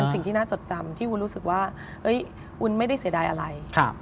สิ่งที่น่าจดจำที่วุ้นรู้สึกว่าวุ้นไม่ได้เสียดายอะไร